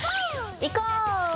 いこう！